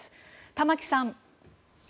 玉城さん。